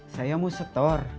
saya mau setor